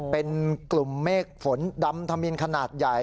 เป็นกลุ่มเมฆฝนดำธมินขนาดใหญ่